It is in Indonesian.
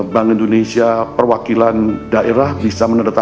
bank indonesia perwakili abrir barang di dunia ini dan memiliki keseluruhan